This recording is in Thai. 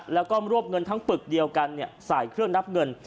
แล้วก็รวบเงินทั้งปึกเดียวกันใส่เครื่องนับเงิน